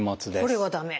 これは駄目。